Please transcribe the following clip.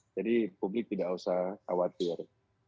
jadi publik tidak usah khawatir